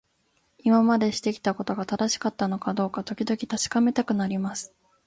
今までしてきたことが正しかったのかどうか、時々確かめたくなります。